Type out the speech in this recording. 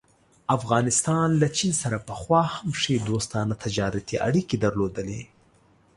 افغانستان له چین سره پخوا هم ښې دوستانه تجارتي اړيکې درلودلې.